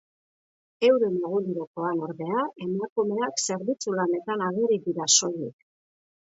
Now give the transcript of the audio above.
Euren egunerokoan, ordea, emakumeak zerbitzu lanetan ageri dira soilik.